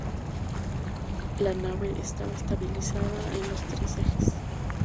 La nave estaba estabilizada en los tres ejes.